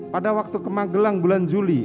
pada waktu kemagelang bulan juli